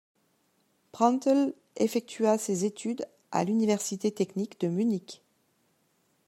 Prandtl effectua ses études à l’université technique de Munich.